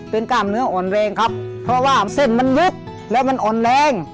เป็นกล้ามเนื้ออ่อนแรงครับเพราะว่าเส้นมันวิบแล้วมันอ่อนแรง